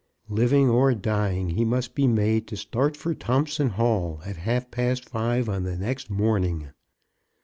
Living or dying, he must be made to start for Thompson Hall at half past five on the next morning.